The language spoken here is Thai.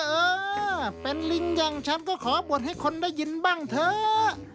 เออเป็นลิงอย่างฉันก็ขอบวชให้คนได้ยินบ้างเถอะ